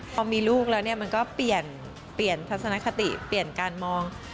พอมีลูกแล้วเนี่ยมันก็เปลี่ยนเปลี่ยนทัศนคติเปลี่ยนการมอง